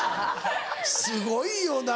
すごいよな。